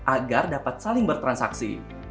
agar dapat saling bertransaksi